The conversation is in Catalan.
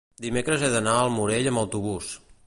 dimecres he d'anar al Morell amb autobús.